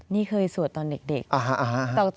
นี่เคยสวดตอนเด็ก